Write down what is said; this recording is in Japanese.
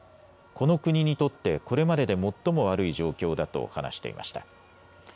この国にとってこれまでで最も悪い状況だと話していました。